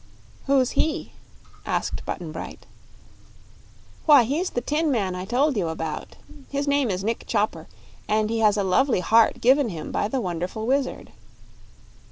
"Who's he?" asked Button Bright. "Why, he's the tin man I told you about. His name is Nick Chopper, and he has a lovely heart given him by the wonderful Wizard."